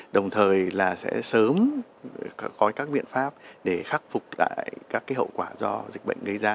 đồng thời là sẽ sớm có các biện pháp để khắc phục lại các hậu quả do dịch bệnh gây ra